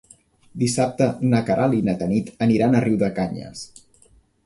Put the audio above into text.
Dissabte na Queralt i na Tanit aniran a Riudecanyes.